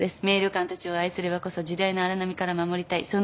名旅館たちを愛すればこそ時代の荒波から守りたい。